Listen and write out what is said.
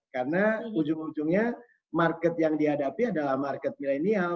karena ujung ujungnya market yang dihadapi adalah market milenial